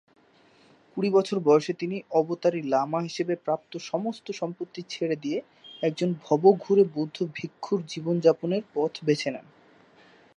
কুড়ি বছর বয়সে তিনি অবতারী লামা হিসেবে প্রাপ্ত সমস্ত সম্পত্তি ছেড়ে দিয়ে একজন ভবঘুরে বৌদ্ধ ভিক্ষুর জীবনযাপনের পথ বেছে নেন।